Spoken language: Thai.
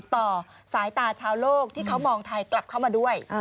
ต่อสายตาชาวโลกที่เขามองไทยกลับเข้ามาด้วย